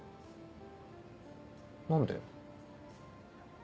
何で？